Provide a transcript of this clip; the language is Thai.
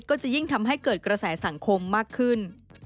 ก็จะยิ่งทำให้เกิดกระแสสังคมมากขึ้น